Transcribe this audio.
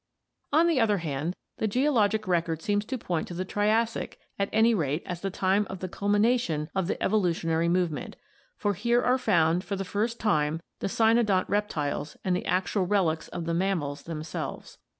On the other hand, the geologic record seems to point to the Triassic at any rate as the time of the culmination of the evolu tionary movement, for here are found for the first time the cynodont reptiles and the actual relics of the mammals themselves.